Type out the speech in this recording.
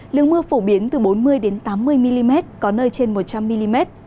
lượng mưa phổ biến từ bốn mươi tám mươi mm có nơi trên một trăm linh mm